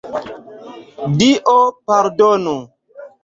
Dio pardonu!